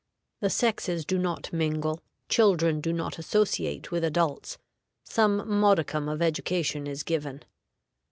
The sexes do not mingle, children do not associate with adults: some modicum of education is given.